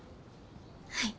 はい。